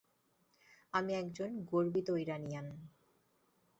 আমি একজন গর্বিত ইরানিয়ান!